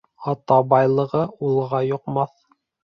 Ата байлығы улға йоҡмаҫ